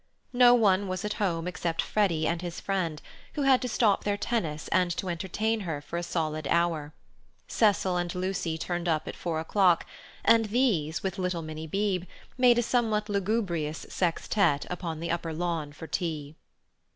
No one was at home except Freddy and his friend, who had to stop their tennis and to entertain her for a solid hour. Cecil and Lucy turned up at four o'clock, and these, with little Minnie Beebe, made a somewhat lugubrious sextette upon the upper lawn for tea.